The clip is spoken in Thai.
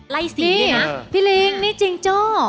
ไล่สีนะนี่นี่จริงโจ้